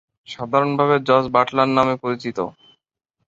সাধারণভাবে Jos Buttler নামে পরিচিত।